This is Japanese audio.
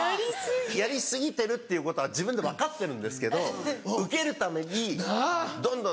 やり過ぎてるっていうことは自分で分かってるんですけどウケるためにどんどん。